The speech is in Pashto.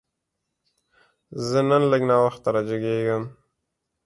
زه نن لږ ناوخته راجیګیږم